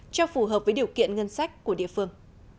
cho phù hợp với điều kiện ngân sách của địa phương